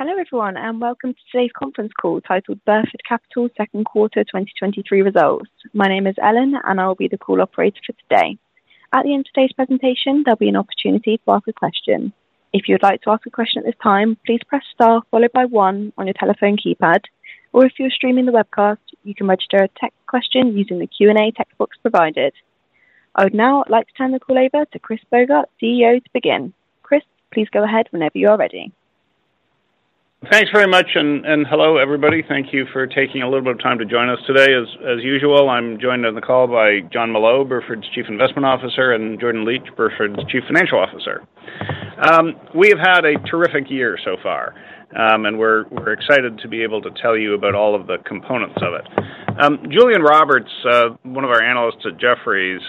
Hello, everyone, and welcome to today's conference call titled Burford Capital Second Quarter 2023 Results. My name is Ellen, and I will be the call operator for today. At the end of today's presentation, there'll be an opportunity to ask a question. If you'd like to ask a question at this time, please press star followed by one on your telephone keypad, or if you're streaming the webcast, you can register a text question using the Q&A text box provided. I would now like to turn the call over to Chris Bogart, CEO, to begin. Chris, please go ahead whenever you are ready. Thanks very much, and hello, everybody. Thank you for taking a little bit of time to join us today. As usual, I'm joined on the call by Jon Molot, Burford's Chief Investment Officer, and Jordan Licht, Burford's Chief Financial Officer. We have had a terrific year so far, and we're excited to be able to tell you about all of the components of it. Julian Roberts, one of our analysts at Jefferies,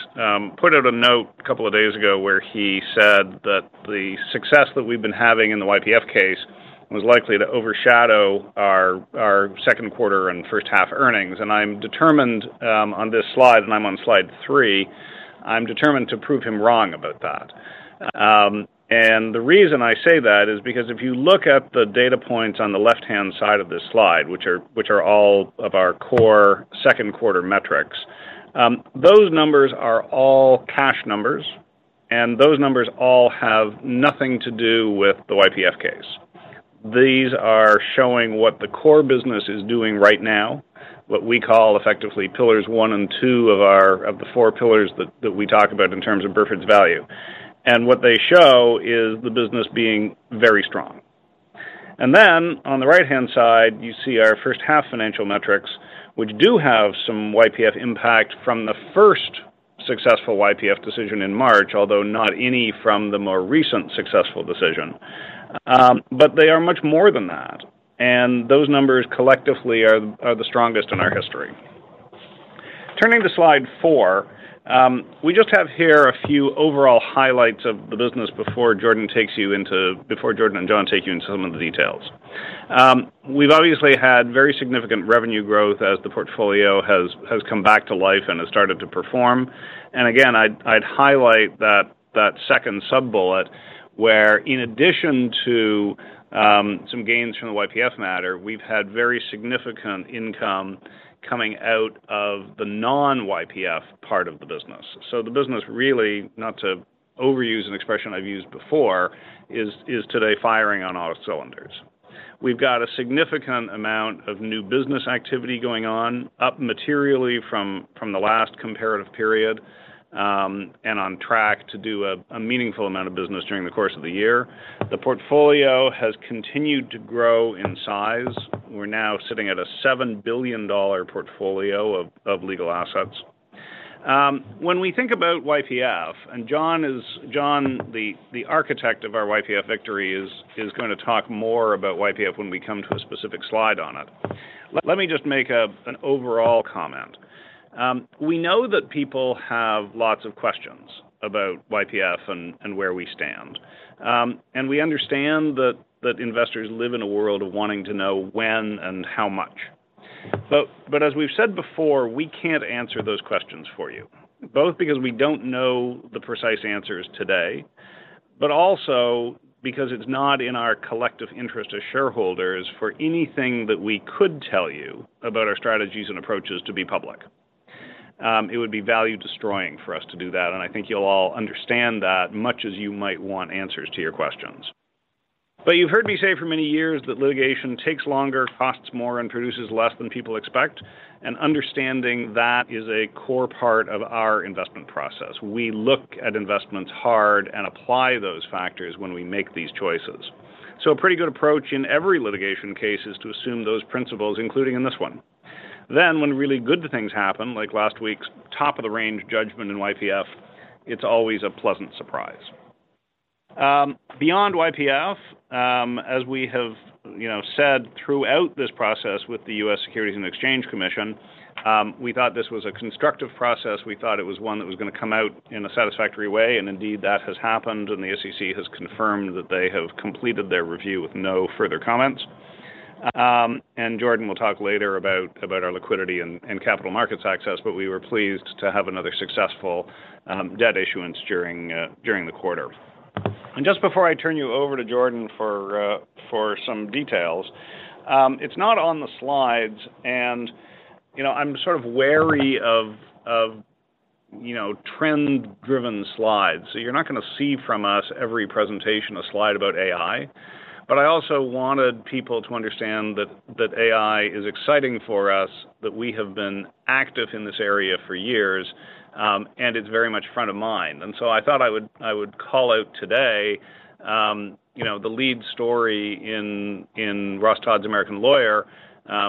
put out a note a couple of days ago where he said that the success that we've been having in the YPF case was likely to overshadow our second quarter and first half earnings, and I'm determined, on this slide, and I'm on slide three, to prove him wrong about that. And the reason I say that is because if you look at the data points on the left-hand side of this slide, which are all of our core second quarter metrics, those numbers are all cash numbers, and those numbers all have nothing to do with the YPF case. These are showing what the core business is doing right now, what we call effectively pillars one and two of the four pillars that we talk about in terms of Burford's value. And what they show is the business being very strong. And then on the right-hand side, you see our first half financial metrics, which do have some YPF impact from the first successful YPF decision in March, although not any from the more recent successful decision. But they are much more than that, and those numbers collectively are the strongest in our history. Turning to slide four, we just have here a few overall highlights of the business before Jordan takes you into... Before Jordan and Jon take you into some of the details. We've obviously had very significant revenue growth as the portfolio has come back to life and has started to perform, and again, I'd highlight that second sub-bullet, where in addition to some gains from the YPF matter, we've had very significant income coming out of the non-YPF part of the business. So the business really, not to overuse an expression I've used before, is today firing on all cylinders. We've got a significant amount of new business activity going on, up materially from the last comparative period, and on track to do a meaningful amount of business during the course of the year. The portfolio has continued to grow in size. We're now sitting at a $7 billion portfolio of legal assets. When we think about YPF, and Jon is Jon, the architect of our YPF victory, is going to talk more about YPF when we come to a specific slide on it. Let me just make an overall comment. We know that people have lots of questions about YPF and where we stand. And we understand that investors live in a world of wanting to know when and how much. But as we've said before, we can't answer those questions for you, both because we don't know the precise answers today, but also because it's not in our collective interest as shareholders for anything that we could tell you about our strategies and approaches to be public. It would be value destroying for us to do that, and I think you'll all understand that much as you might want answers to your questions. But you've heard me say for many years that litigation takes longer, costs more, and produces less than people expect, and understanding that is a core part of our investment process. We look at investments hard and apply those factors when we make these choices. So a pretty good approach in every litigation case is to assume those principles, including in this one. Then, when really good things happen, like last week's top-of-the-range judgment in YPF, it's always a pleasant surprise. Beyond YPF, as we have, you know, said throughout this process with the U.S. Securities and Exchange Commission, we thought this was a constructive process. We thought it was one that was going to come out in a satisfactory way, and indeed, that has happened, and the SEC has confirmed that they have completed their review with no further comments. And Jordan will talk later about our liquidity and capital markets access, but we were pleased to have another successful debt issuance during the quarter. And just before I turn you over to Jordan for some details, it's not on the slides and, you know, I'm sort of wary of trend-driven slides. So you're not going to see from us every presentation, a slide about AI, but I also wanted people to understand that AI is exciting for us, that we have been active in this area for years, and it's very much front of mind. And so I thought I would call out today, you know, the lead story in Ross Todd's The American Lawyer,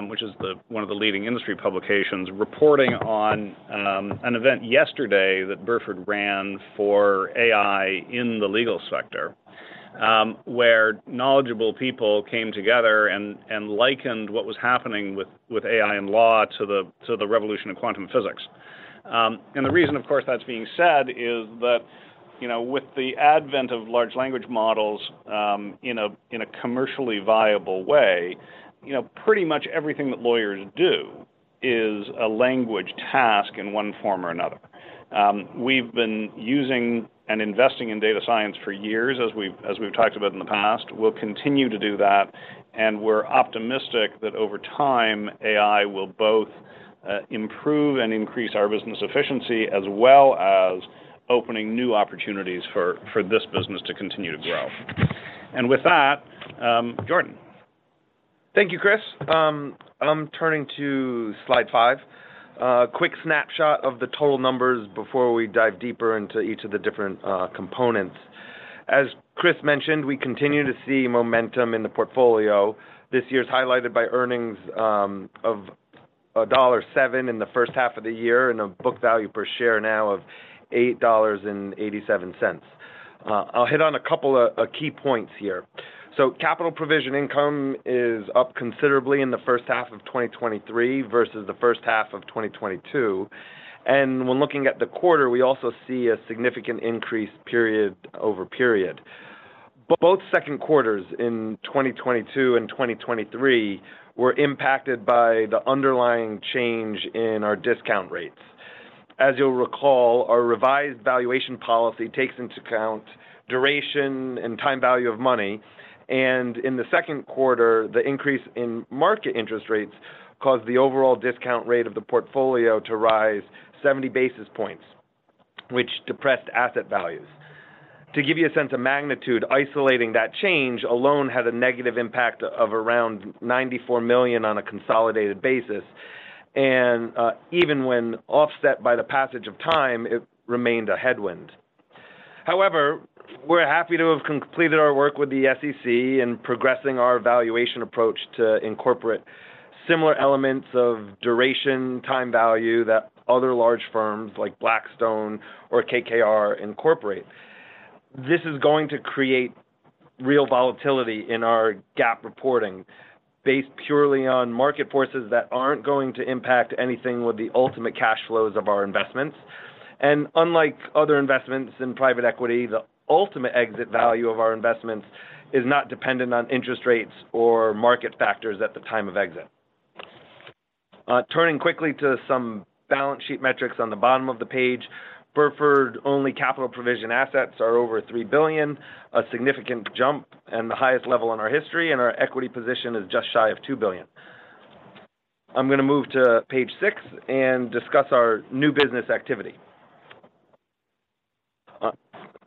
which is one of the leading industry publications, reporting on an event yesterday that Burford ran for AI in the legal sector, where knowledgeable people came together and likened what was happening with AI and law to the revolution in quantum physics. And the reason, of course, that's being said is that, you know, with the advent of large language models in a commercially viable way, you know, pretty much everything that lawyers do is a language task in one form or another. We've been using and investing in data science for years, as we've talked about in the past. We'll continue to do that, and we're optimistic that over time, AI will both improve and increase our business efficiency, as well as opening new opportunities for this business to continue to grow. And with that, Jordan. Thank you, Chris. I'm turning to slide five. Quick snapshot of the total numbers before we dive deeper into each of the different components. As Chris mentioned, we continue to see momentum in the portfolio. This year is highlighted by earnings of $1.07 in the first half of the year and a book value per share now of $8.87. I'll hit on a couple of key points here. So capital provision income is up considerably in the first half of 2023 versus the first half of 2022, and when looking at the quarter, we also see a significant increase period over period. But both second quarters in 2022 and 2023 were impacted by the underlying change in our discount rates. As you'll recall, our revised valuation policy takes into account duration and time value of money, and in the second quarter, the increase in market interest rates caused the overall discount rate of the portfolio to rise 70 basis points, which depressed asset values. To give you a sense of magnitude, isolating that change alone had a negative impact of around $94 million on a consolidated basis, and, even when offset by the passage of time, it remained a headwind. However, we're happy to have completed our work with the SEC in progressing our valuation approach to incorporate similar elements of duration, time value, that other large firms like Blackstone or KKR incorporate. This is going to create real volatility in our GAAP reporting based purely on market forces that aren't going to impact anything with the ultimate cash flows of our investments. Unlike other investments in private equity, the ultimate exit value of our investments is not dependent on interest rates or market factors at the time of exit. Turning quickly to some balance sheet metrics on the bottom of the page. Burford-only capital provision assets are over $3 billion, a significant jump and the highest level in our history, and our equity position is just shy of $2 billion. I'm gonna move to page six and discuss our new business activity.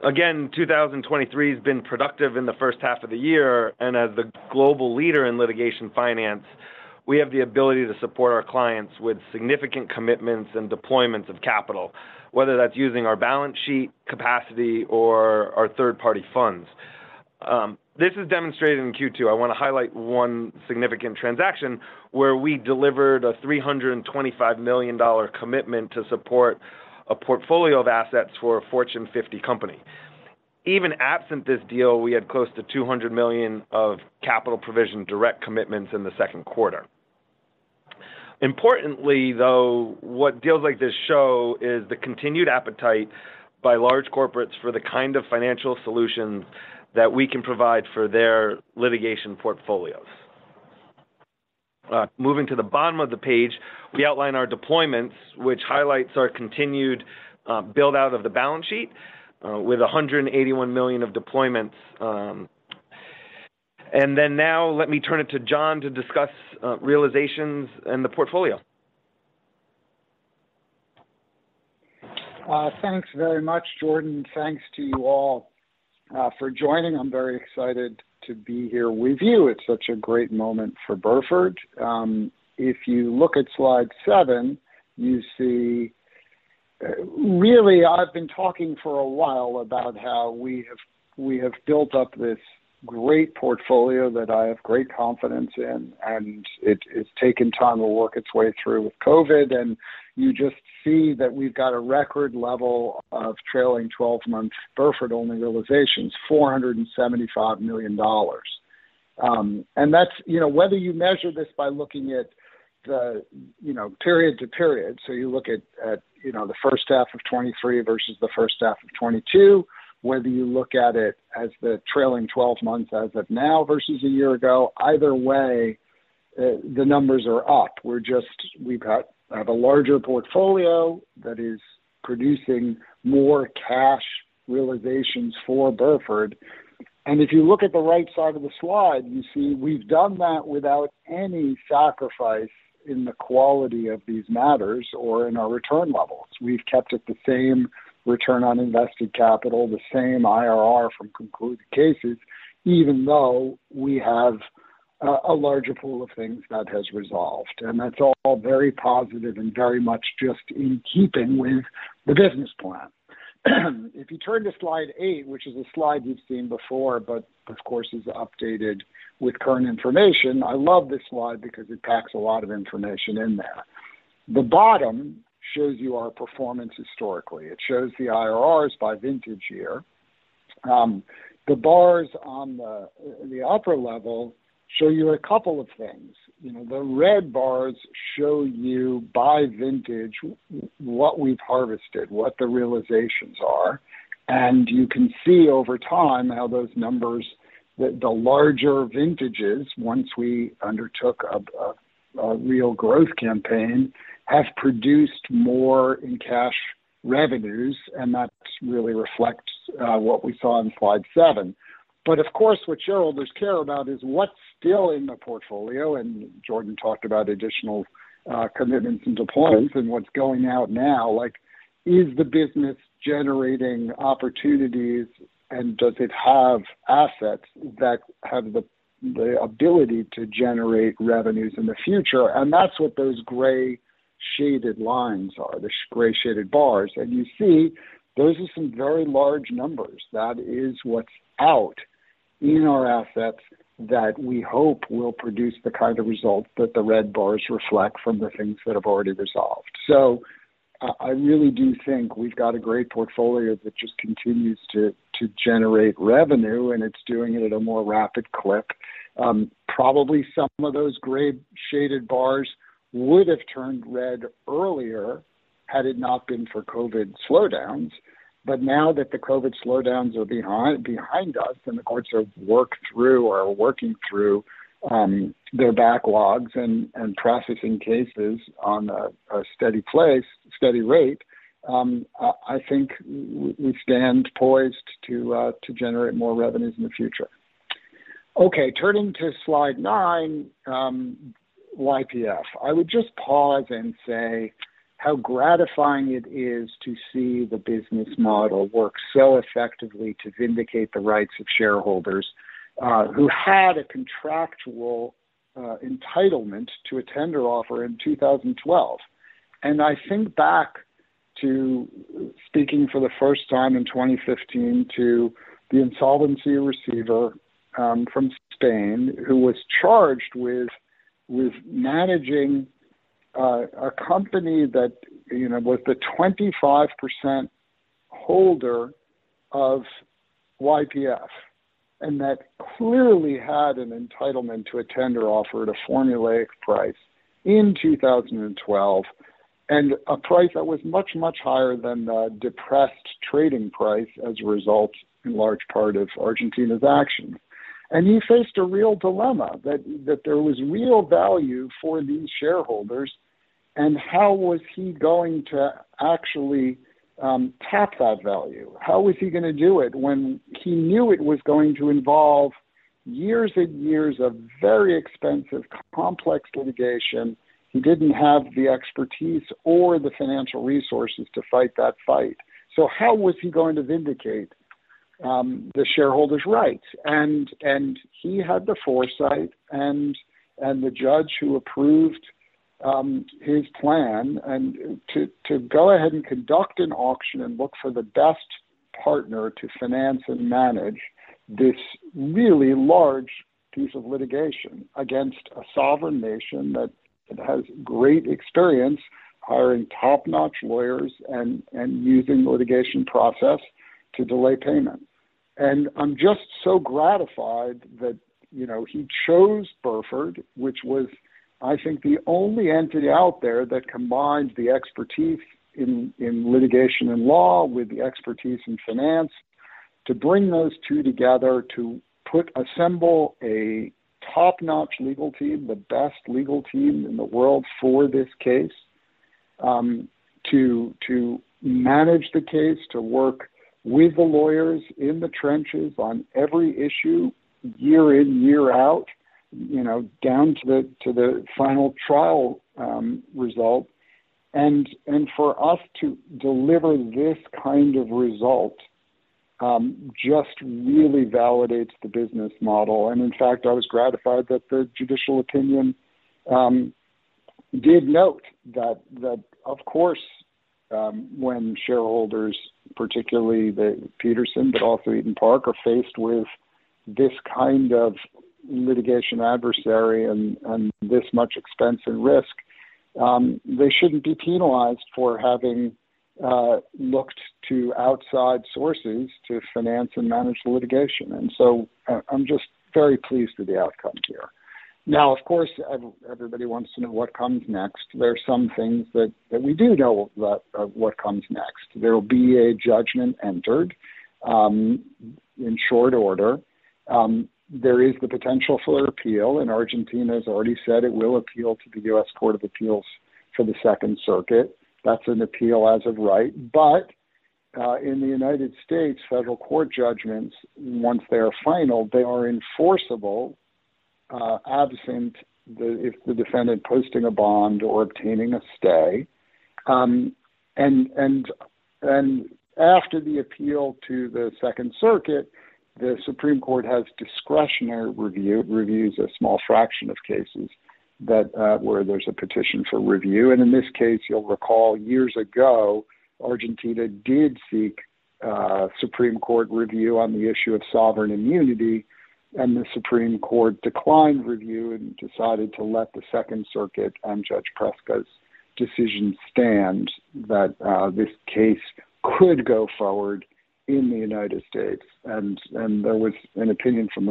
Again, 2023 has been productive in the first half of the year, and as the global leader in litigation finance, we have the ability to support our clients with significant commitments and deployments of capital, whether that's using our balance sheet capacity or our third-party funds. This is demonstrated in Q2. I wanna highlight one significant transaction where we delivered a $325 million commitment to support a portfolio of assets for a Fortune 50 company. Even absent this deal, we had close to $200 million of capital provision direct commitments in the second quarter. Importantly, though, what deals like this show is the continued appetite by large corporates for the kind of financial solutions that we can provide for their litigation portfolios. Moving to the bottom of the page, we outline our deployments, which highlights our continued build-out of the balance sheet with a $181 million of deployments. And then now let me turn it to Jon to discuss realizations in the portfolio. Thanks very much, Jordan. Thanks to you all for joining. I'm very excited to be here with you. It's such a great moment for Burford. If you look at slide seven, you see. Really, I've been talking for a while about how we have, we have built up this great portfolio that I have great confidence in, and it's, it's taken time to work its way through with COVID. And you just see that we've got a record level of trailing twelve months Burford-only realizations, $475 million. And that's, you know, whether you measure this by looking at the, you know, period to period, so you look at, at, you know, the first half of 2023 versus the first half of 2022. Whether you look at it as the trailing 12 months as of now versus a year ago, either way, the numbers are up. We're just. We've got a larger portfolio that is producing more cash realizations for Burford. And if you look at the right side of the slide, you see we've done that without any sacrifice in the quality of these matters or in our return levels. We've kept it the same return on invested capital, the same IRR from concluded cases, even though we have a larger pool of things that has resolved. And that's all very positive and very much just in keeping with the business plan. If you turn to slide eight, which is a slide you've seen before, but of course, is updated with current information. I love this slide because it packs a lot of information in there. The bottom shows you our performance historically. It shows the IRRs by vintage year. The bars on the, on the upper level show you a couple of things. You know, the red bars show you by vintage, what we've harvested, what the realizations are, and you can see over time how those numbers that the larger vintages, once we undertook a real growth campaign, have produced more in cash revenues, and that really reflects what we saw in slide seven. But of course, what shareholders care about is what's still in the portfolio, and Jordan talked about additional commitments and deployments and what's going out now. Like, is the business generating opportunities, and does it have assets that have the ability to generate revenues in the future? And that's what those gray shaded lines are, the gray shaded bars. You see, those are some very large numbers. That is what's out in our assets that we hope will produce the kind of results that the red bars reflect from the things that have already resolved. So I, I really do think we've got a great portfolio that just continues to, to generate revenue, and it's doing it at a more rapid clip. Probably some of those gray shaded bars would have turned red earlier had it not been for COVID slowdowns. But now that the COVID slowdowns are behind, behind us, and the courts have worked through or are working through their backlogs and, and processing cases on a, a steady pace, steady rate, I, I think we, we stand poised to, to generate more revenues in the future. Okay, turning to Slide nine, YPF. I would just pause and say how gratifying it is to see the business model work so effectively to vindicate the rights of shareholders who had a contractual entitlement to a tender offer in 2012. And I think back to speaking for the first time in 2015 to the insolvency receiver from Spain who was charged with managing a company that, you know, was the 25% holder of YPF, and that clearly had an entitlement to a tender offer at a formulaic price in 2012, and a price that was much, much higher than the depressed trading price as a result, in large part, of Argentina's actions. And he faced a real dilemma, that there was real value for these shareholders, and how was he going to actually tap that value? How was he gonna do it when he knew it was going to involve years and years of very expensive, complex litigation? He didn't have the expertise or the financial resources to fight that fight. So how was he going to vindicate the shareholders' rights? And he had the foresight and the judge who approved his plan to go ahead and conduct an auction and look for the best partner to finance and manage this really large piece of litigation against a sovereign nation that has great experience hiring top-notch lawyers and using the litigation process to delay payment. And I'm just so gratified that, you know, he chose Burford, which was, I think, the only entity out there that combines the expertise in litigation and law with the expertise in finance, to bring those two together, to put... Assemble a top-notch legal team, the best legal team in the world for this case, to manage the case, to work with the lawyers in the trenches on every issue, year in, year out, you know, down to the final trial result. And for us to deliver this kind of result, just really validates the business model. And in fact, I was gratified that the judicial opinion did note that of course, when shareholders, particularly the Petersen but also Eton Park, are faced with this kind of litigation adversary and this much expense and risk, they shouldn't be penalized for having looked to outside sources to finance and manage the litigation. And so I'm just very pleased with the outcome here. Now, of course, everybody wants to know what comes next. There are some things that we do know that what comes next. There will be a judgment entered in short order. There is the potential for an appeal, and Argentina has already said it will appeal to the U.S. Court of Appeals for the Second Circuit. That's an appeal as of right, but in the United States, federal court judgments, once they are final, they are enforceable, absent the, if the defendant posting a bond or obtaining a stay. And after the appeal to the Second Circuit, the Supreme Court has discretionary review, a small fraction of cases that where there's a petition for review. And in this case, you'll recall, years ago, Argentina did seek Supreme Court review on the issue of sovereign immunity, and the Supreme Court declined review and decided to let the Second Circuit and Judge Preska's decision stand, that this case could go forward in the United States. And there was an opinion from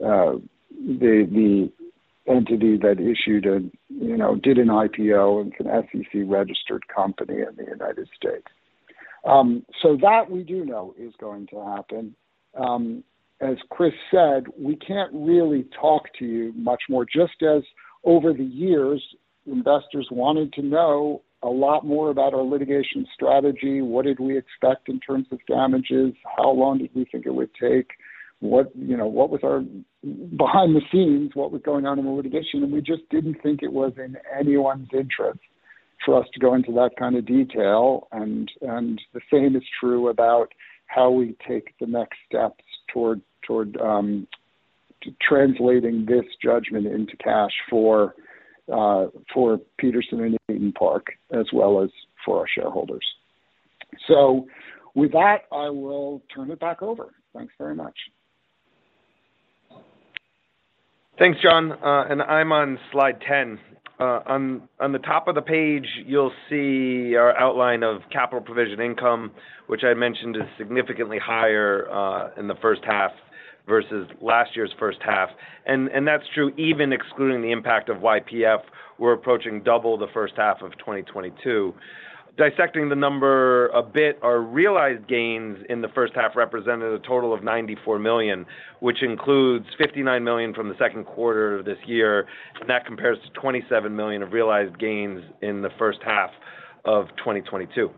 the Solicitor General of the United States saying this is something the United States has an interest in being resolved in the United States because it involved New York Stock Exchange shareholders vindicating their contractual rights against the entity that issued a, you know, did an IPO and an SEC-registered company in the United States. So that we do know is going to happen. As Chris said, we can't really talk to you much more, just as over the years, investors wanted to know a lot more about our litigation strategy. What did we expect in terms of damages? How long did we think it would take? What, you know, what was our behind the scenes, what was going on in the litigation? And we just didn't think it was in anyone's interest for us to go into that kind of detail. And the same is true about how we take the next steps toward translating this judgment into cash for Petersen and Eton Park, as well as for our shareholders. So with that, I will turn it back over. Thanks very much. Thanks, Jon. And I'm on slide 10. On the top of the page, you'll see our outline of capital provision income, which I mentioned is significantly higher in the first half versus last year's first half. And that's true even excluding the impact of YPF, we're approaching double the first half of 2022. Dissecting the number a bit, our realized gains in the first half represented a total of $94 million, which includes $59 million from the second quarter of this year, and that compares to $27 million of realized gains in the first half of 2022.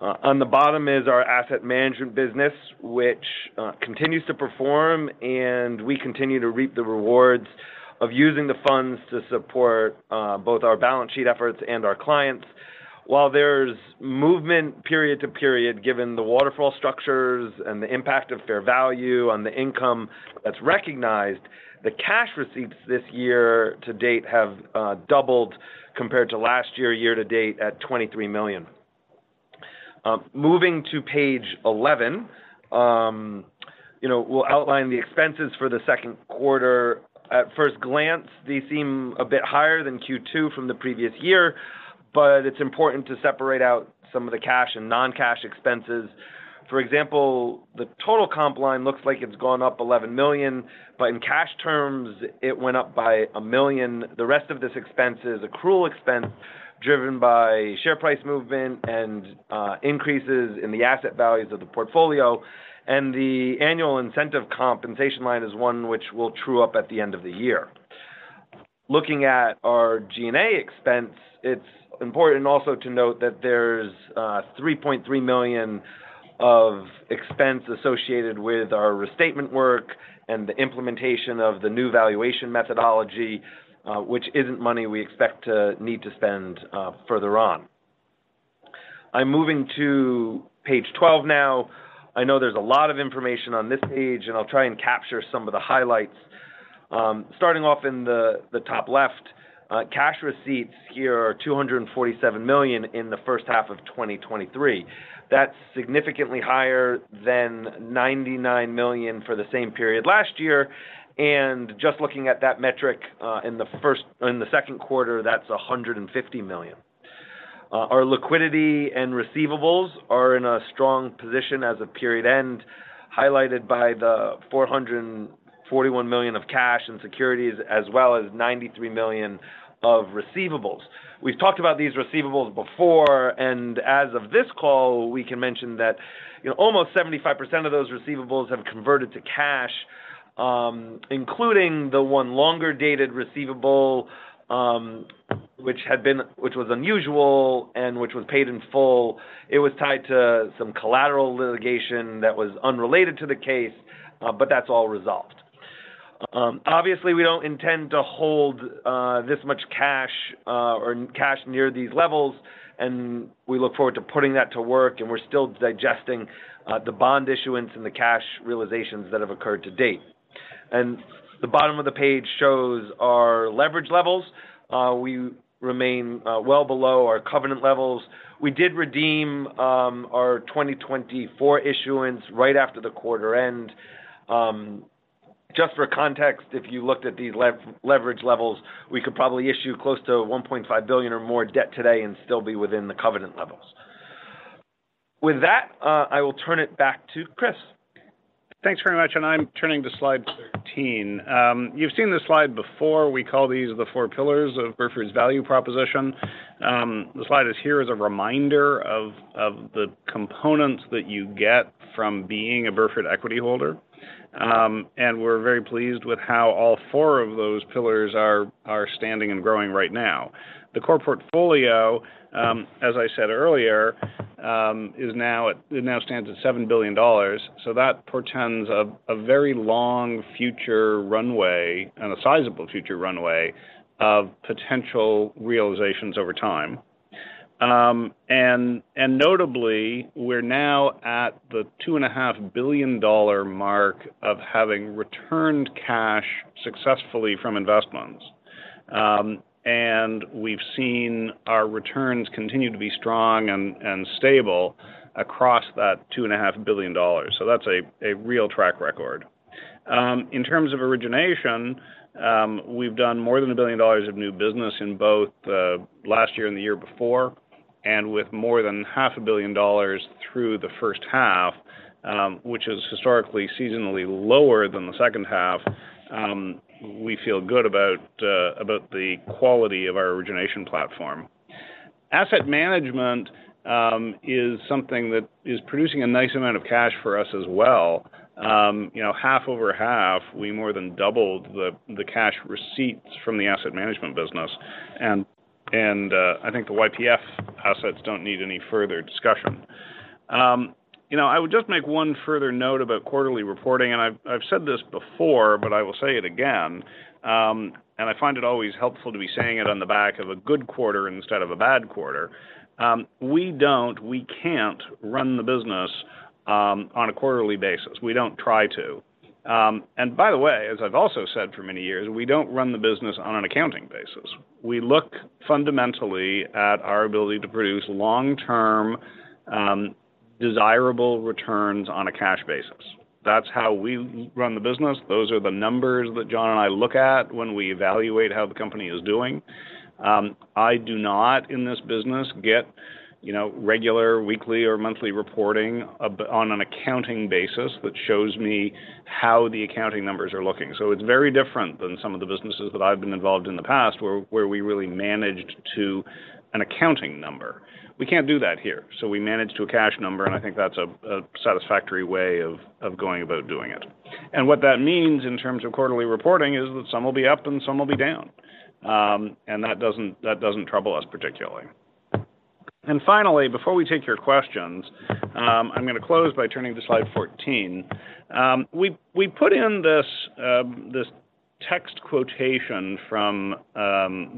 On the bottom is our asset management business, which continues to perform, and we continue to reap the rewards of using the funds to support both our balance sheet efforts and our clients. While there's movement period to period, given the waterfall structures and the impact of fair value on the income that's recognized, the cash receipts this year to date have doubled compared to last year, year to date, at $23 million. Moving to page 11, you know, we'll outline the expenses for the second quarter. At first glance, they seem a bit higher than Q2 from the previous year, but it's important to separate out some of the cash and non-cash expenses. For example, the total comp line looks like it's gone up $11 million, but in cash terms, it went up by $1 million. The rest of this expense is accrual expense, driven by share price movement and increases in the asset values of the portfolio. The annual incentive compensation line is one which we'll true up at the end of the year. Looking at our G&A expense, it's important also to note that there's 3.3 million of expense associated with our restatement work and the implementation of the new valuation methodology, which isn't money we expect to need to spend further on. I'm moving to page 12 now. I know there's a lot of information on this page, and I'll try and capture some of the highlights. Starting off in the top left, cash receipts here are $247 million in the first half of 2023. That's significantly higher than $99 million for the same period last year. Just looking at that metric, in the second quarter, that's $150 million. Our liquidity and receivables are in a strong position as of period end, highlighted by the $441 million of cash and securities, as well as $93 million of receivables. We've talked about these receivables before, and as of this call, we can mention that almost 75% of those receivables have converted to cash, including the one longer-dated receivable, which was unusual and which was paid in full. It was tied to some collateral litigation that was unrelated to the case, but that's all resolved. Obviously, we don't intend to hold this much cash, or cash near these levels, and we look forward to putting that to work, and we're still digesting the bond issuance and the cash realizations that have occurred to date. And the bottom of the page shows our leverage levels. We remain well below our covenant levels. We did redeem our 2024 issuance right after the quarter end. Just for context, if you looked at these leverage levels, we could probably issue close to $1.5 billion or more debt today and still be within the covenant levels. With that, I will turn it back to Chris. Thanks very much. I'm turning to slide 13. You've seen this slide before. We call these the four pillars of Burford's value proposition. The slide is here as a reminder of the components that you get from being a Burford equity holder. We're very pleased with how all four of those pillars are standing and growing right now. The core portfolio, as I said earlier, now stands at $7 billion. So that portends a very long future runway and a sizable future runway of potential realizations over time. Notably, we're now at the $2.5 billion mark of having returned cash successfully from investments. We've seen our returns continue to be strong and stable across that $2.5 billion. So that's a real track record.... In terms of origination, we've done more than $1 billion of new business in both the last year and the year before, and with more than $500 million through the first half, which is historically seasonally lower than the second half. We feel good about about the quality of our origination platform. Asset management is something that is producing a nice amount of cash for us as well. You know, half over half, we more than doubled the the cash receipts from the asset management business. And and I think the YPF assets don't need any further discussion. You know, I would just make one further note about quarterly reporting, and I've said this before, but I will say it again, and I find it always helpful to be saying it on the back of a good quarter instead of a bad quarter. We don't, we can't run the business on a quarterly basis. We don't try to. And by the way, as I've also said for many years, we don't run the business on an accounting basis. We look fundamentally at our ability to produce long-term desirable returns on a cash basis. That's how we run the business. Those are the numbers that Jon and I look at when we evaluate how the company is doing. I do not, in this business, get, you know, regular, weekly, or monthly reporting on an accounting basis that shows me how the accounting numbers are looking. So it's very different than some of the businesses that I've been involved in the past, where we really managed to an accounting number. We can't do that here, so we manage to a cash number, and I think that's a satisfactory way of going about doing it. And what that means in terms of quarterly reporting is that some will be up, and some will be down. And that doesn't trouble us particularly. And finally, before we take your questions, I'm gonna close by turning to slide 14. We put in this text quotation from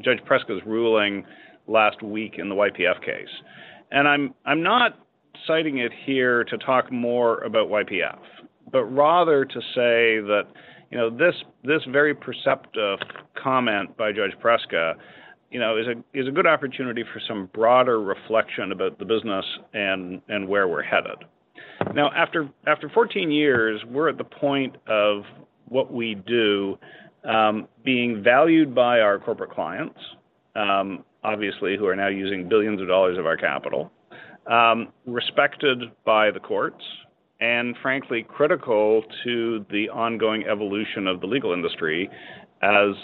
Judge Preska's ruling last week in the YPF case, and I'm not citing it here to talk more about YPF, but rather to say that, you know, this very perceptive comment by Judge Preska, you know, is a good opportunity for some broader reflection about the business and where we're headed. Now, after 14 years, we're at the point of what we do being valued by our corporate clients, obviously, who are now using $ billions of our capital, respected by the courts, and frankly, critical to the ongoing evolution of the legal industry as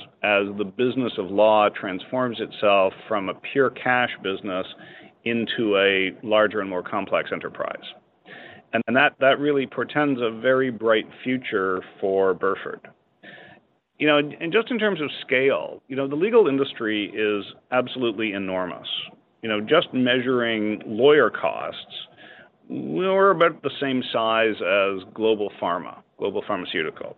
the business of law transforms itself from a pure cash business into a larger and more complex enterprise. And that really portends a very bright future for Burford. You know, and, and just in terms of scale, you know, the legal industry is absolutely enormous. You know, just measuring lawyer costs, we're about the same size as global pharma, global pharmaceutical.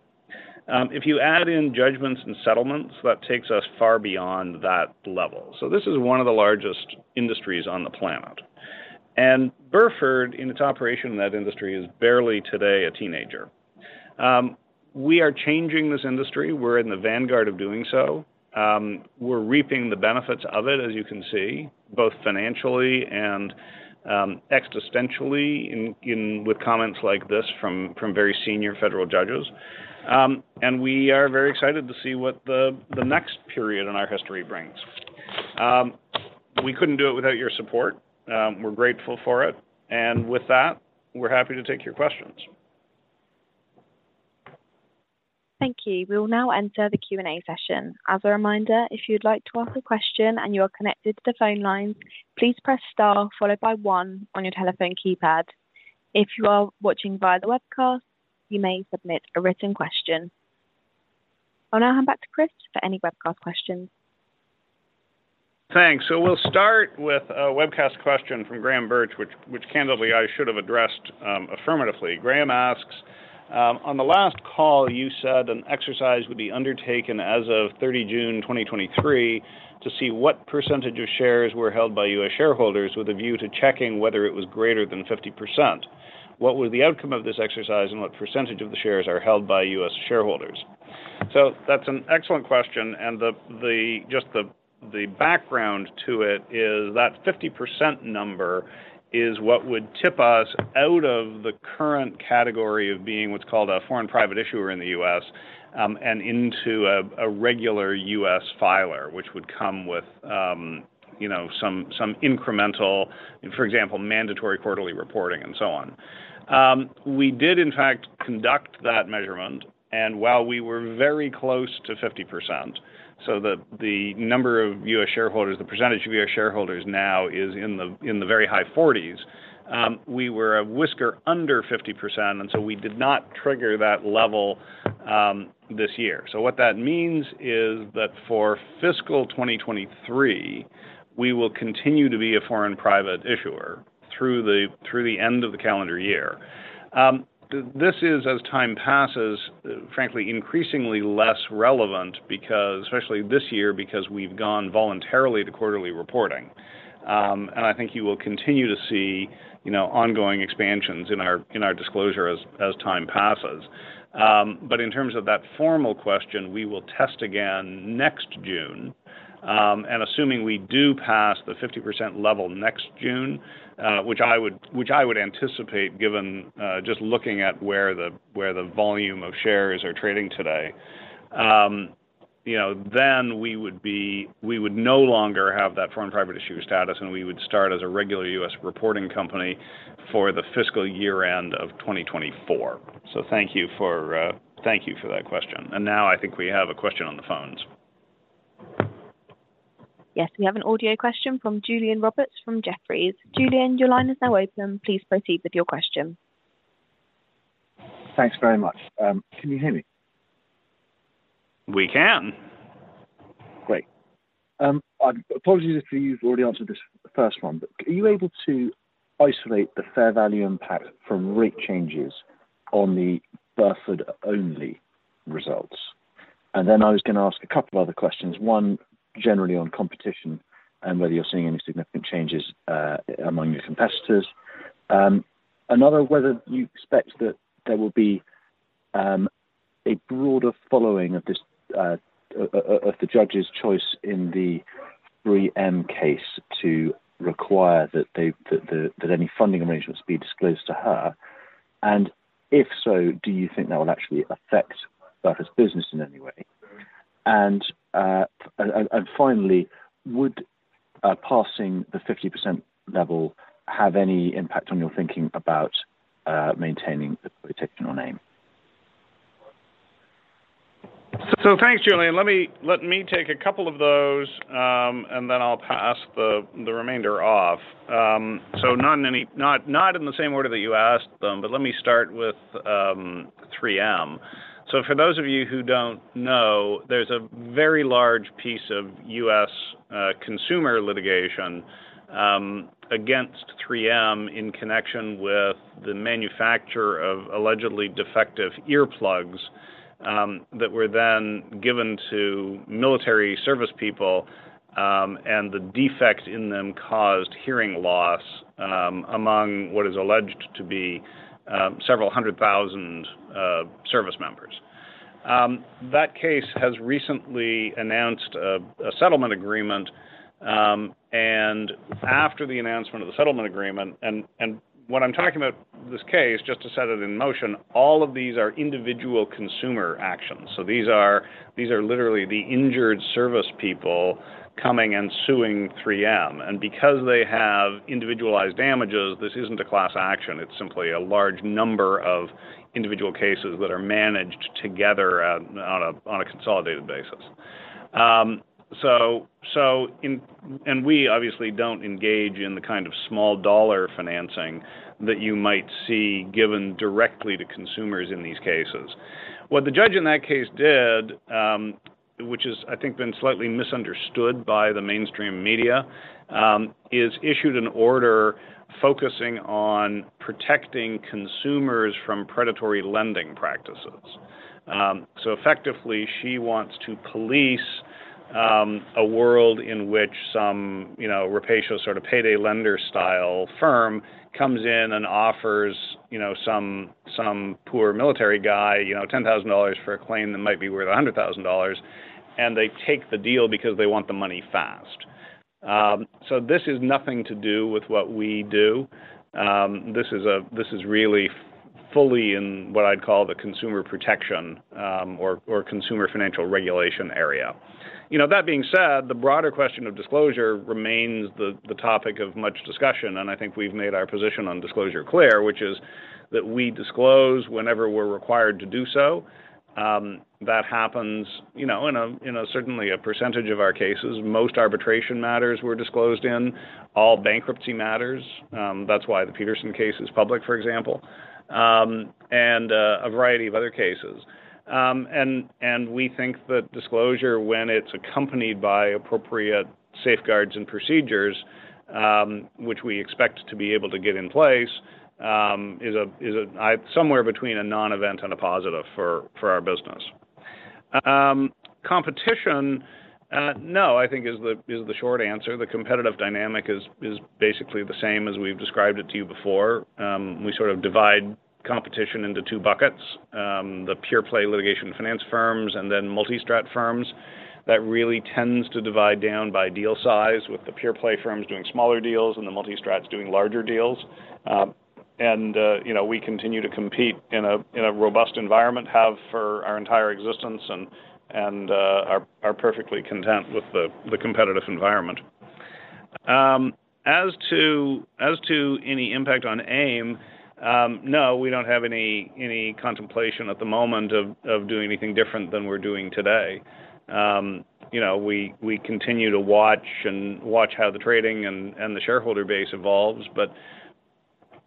If you add in judgments and settlements, that takes us far beyond that level. So this is one of the largest industries on the planet, and Burford, in its operation in that industry, is barely today a teenager. We are changing this industry. We're in the vanguard of doing so. We're reaping the benefits of it, as you can see, both financially and, existentially in, in with comments like this from, from very senior federal judges. And we are very excited to see what the, the next period in our history brings. We couldn't do it without your support. We're grateful for it, and with that, we're happy to take your questions. Thank you. We'll now enter the Q&A session. As a reminder, if you'd like to ask a question and you are connected to the phone line, please press star followed by one on your telephone keypad. If you are watching via the webcast, you may submit a written question. I'll now hand back to Chris for any webcast questions. Thanks. So we'll start with a webcast question from Graham Birch, which candidly, I should have addressed affirmatively. Graham asks: "On the last call, you said an exercise would be undertaken as of 30 June 2023, to see what percentage of shares were held by U.S. shareholders with a view to checking whether it was greater than 50%. What was the outcome of this exercise, and what percentage of the shares are held by U.S. shareholders?" So that's an excellent question, and the background to it is that 50% number is what would tip us out of the current category of being what's called a Foreign Private Issuer in the U.S., and into a regular U.S filer, which would come with, you know, some incremental, for example, mandatory quarterly reporting and so on. We did in fact conduct that measurement, and while we were very close to 50%, so the, the number of U.S. shareholders, the percentage of U.S. shareholders now is in the, in the very high 40s. We were a whisker under 50%, and so we did not trigger that level, this year. So what that means is that for fiscal 2023, we will continue to be a foreign private issuer through the, through the end of the calendar year. This is, as time passes, frankly, increasingly less relevant because-- especially this year, because we've gone voluntarily to quarterly reporting. And I think you will continue to see, you know, ongoing expansions in our, in our disclosure as, as time passes. But in terms of that formal question, we will test again next June, and assuming we do pass the 50% level next June, which I would, which I would anticipate, given just looking at where the, where the volume of shares are trading today... You know, then we would be. We would no longer have that Foreign Private Issuer status, and we would start as a regular U.S. reporting company for the fiscal year-end of 2024. So thank you for, thank you for that question. And now I think we have a question on the phones. Yes, we have an audio question from Julian Roberts from Jefferies. Julian, your line is now open. Please proceed with your question. Thanks very much. Can you hear me? We can. Great. Apologies if you've already answered this first one, but are you able to isolate the fair value impact from rate changes on the Burford-only results? And then I was going to ask a couple other questions. One, generally on competition and whether you're seeing any significant changes among your competitors. Another, whether you expect that there will be a broader following of this of the judge's choice in the 3M case to require that they that any funding arrangements be disclosed to her, and if so, do you think that will actually affect Burford's business in any way? And finally, would passing the 50% level have any impact on your thinking about maintaining the quotation on AIM? So thanks, Julian. Let me take a couple of those, and then I'll pass the remainder off. So not in any, not in the same order that you asked them, but let me start with 3M. So for those of you who don't know, there's a very large piece of U.S. consumer litigation against 3M in connection with the manufacture of allegedly defective earplugs that were then given to military service people, and the defect in them caused hearing loss among what is alleged to be several hundred thousand service members. That case has recently announced a settlement agreement, and after the announcement of the settlement agreement... And what I'm talking about this case, just to set it in motion, all of these are individual consumer actions. So these are literally the injured service people coming and suing 3M. And because they have individualized damages, this isn't a class action. It's simply a large number of individual cases that are managed together on a consolidated basis. And we obviously don't engage in the kind of small dollar financing that you might see given directly to consumers in these cases. What the judge in that case did, which is I think been slightly misunderstood by the mainstream media, is issued an order focusing on protecting consumers from predatory lending practices. So effectively, she wants to police a world in which some, you know, rapacious sort of payday lender style firm comes in and offers, you know, some poor military guy, you know, $10,000 for a claim that might be worth $100,000, and they take the deal because they want the money fast. So this is nothing to do with what we do. This is really fully in what I'd call the consumer protection or consumer financial regulation area. You know, that being said, the broader question of disclosure remains the topic of much discussion, and I think we've made our position on disclosure clear, which is that we disclose whenever we're required to do so. That happens, you know, in certainly a percentage of our cases. Most arbitration matters we're disclosed in, all bankruptcy matters, that's why the Petersen case is public, for example, and a variety of other cases. And we think that disclosure, when it's accompanied by appropriate safeguards and procedures, which we expect to be able to get in place, is a, is a, somewhere between a non-event and a positive for our business. Competition? No, I think is the short answer. The competitive dynamic is basically the same as we've described it to you before. We sort of divide competition into two buckets, the pure play litigation finance firms and then multi-strat firms. That really tends to divide down by deal size, with the pure play firms doing smaller deals and the multi-strats doing larger deals. And, you know, we continue to compete in a robust environment, have for our entire existence and are perfectly content with the competitive environment. As to any impact on AIM, no, we don't have any contemplation at the moment of doing anything different than we're doing today. You know, we continue to watch how the trading and the shareholder base evolves. But,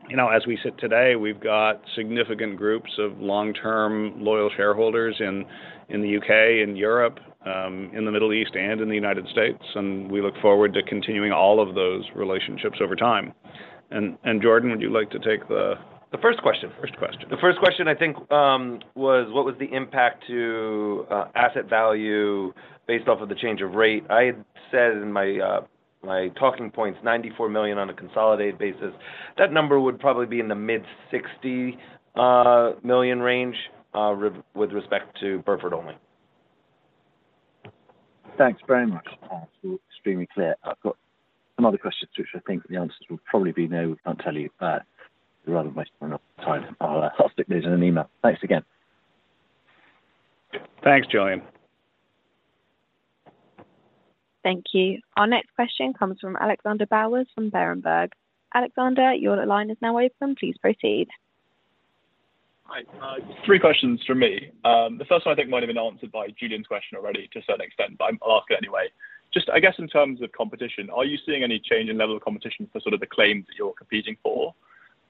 you know, as we sit today, we've got significant groups of long-term, loyal shareholders in the U.K. and Europe, in the Middle East and in the United States, and we look forward to continuing all of those relationships over time. And Jordan, would you like to take the- The first question. First question. The first question I think was what was the impact to asset value based off of the change of rate? I had said in my talking points, $94 million on a consolidated basis. That number would probably be in the mid-60 million range with respect to Burford only.... Thanks very much. Extremely clear. I've got some other questions, which I think the answers will probably be, "No, we can't tell you." Rather than waste more time, I'll stick those in an email. Thanks again. Thanks, Julian. Thank you. Our next question comes from Alexander Bowers from Berenberg. Alexander, your line is now open. Please proceed. Hi. Three questions from me. The first one I think might have been answered by Julian's question already to a certain extent, but I'll ask it anyway. Just, I guess, in terms of competition, are you seeing any change in level of competition for sort of the claims that you're competing for?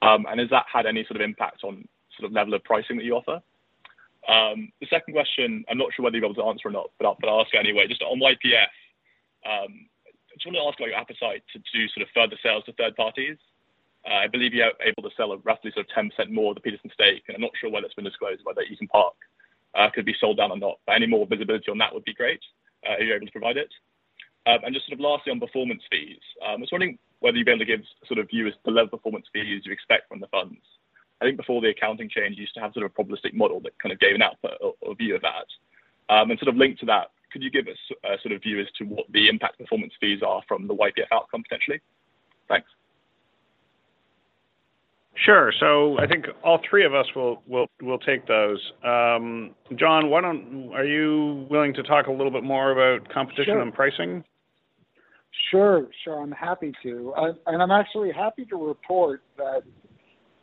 And has that had any sort of impact on sort of level of pricing that you offer? The second question, I'm not sure whether you're able to answer or not, but I'll ask anyway, just on YPF, just want to ask about your appetite to do sort of further sales to third parties. I believe you are able to sell roughly sort of 10% more of the Petersen stake, and I'm not sure whether it's been disclosed whether Eton Park could be sold down or not, but any more visibility on that would be great, if you're able to provide it. And just sort of lastly, on performance fees, I was wondering whether you'd be able to give sort of view as to level of performance fees you expect from the funds. I think before the accounting change, you used to have sort of a probabilistic model that kind of gave an output or, or view of that. And sort of linked to that, could you give us a sort of view as to what the impact performance fees are from the YPF outcome, potentially? Thanks. Sure. So I think all three of us will take those. Jon, are you willing to talk a little bit more about competition? Sure. -and pricing? Sure, sure. I'm happy to. And I'm actually happy to report that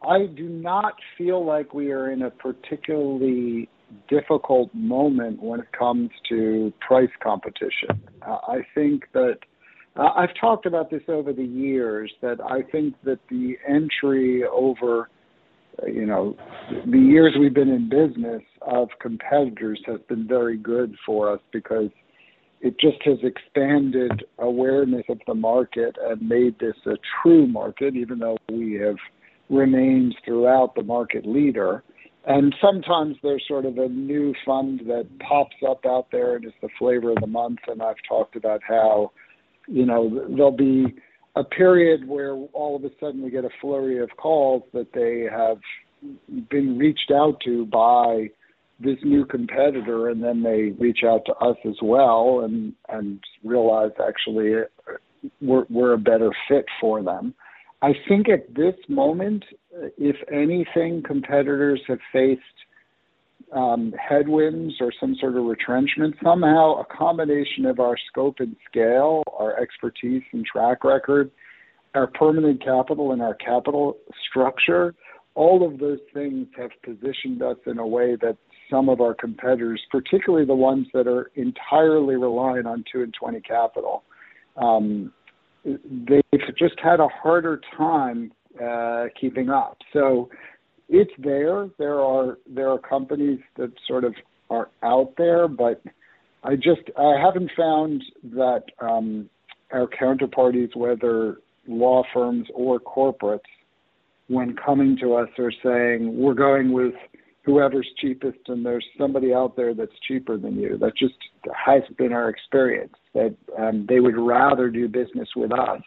I do not feel like we are in a particularly difficult moment when it comes to price competition. I think that I've talked about this over the years, that I think that the entry over, you know, the years we've been in business of competitors has been very good for us because it just has expanded awareness of the market and made this a true market, even though we have remained throughout the market leader. And sometimes there's sort of a new fund that pops up out there, and it's the flavor of the month, and I've talked about how, you know, there'll be a period where all of a sudden we get a flurry of calls that they have been reached out to by this new competitor, and then they reach out to us as well and realize actually, we're a better fit for them. I think at this moment, if anything, competitors have faced headwinds or some sort of retrenchment. Somehow, a combination of our scope and scale, our expertise and track record, our permanent capital and our capital structure, all of those things have positioned us in a way that some of our competitors, particularly the ones that are entirely reliant on two and twenty capital, they've just had a harder time keeping up. So it's there. There are companies that sort of are out there, but I just—I haven't found that our counterparties, whether law firms or corporates, when coming to us, are saying, "We're going with whoever's cheapest, and there's somebody out there that's cheaper than you." That just hasn't been our experience, that they would rather do business with us.